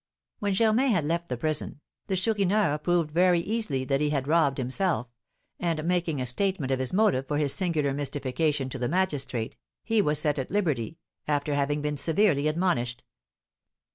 When Germain had left the prison, the Chourineur proved very easily that he had robbed himself; and making a statement of his motive for this singular mystification to the magistrate, he was set at liberty, after having been severely admonished.